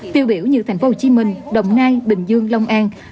tiêu biểu như thành phố hồ chí minh đồng nai bình dương long an